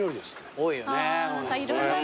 多いよね。